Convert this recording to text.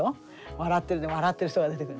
「わらってる」で笑ってる人が出てくる。